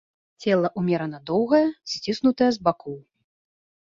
Цела умерана доўгае, сціснутае з бакоў.